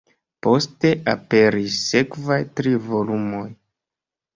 Poste aperis sekvaj tri volumoj.